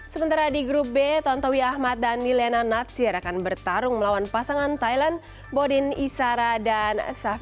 sementara di grup b tontowi ahmad dan liliana natsir akan bertarung melawan pasangan thailand bodin isara dan safir